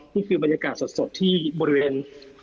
นี่คือบรรยากาศสดที่บริเวณ